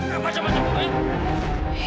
jangan macam macam ya